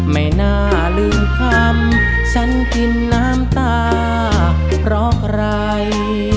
ไม่น่าลืมความฉันกินน้ำตาเพราะอะไร